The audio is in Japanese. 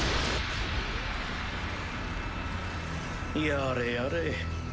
やれやれ。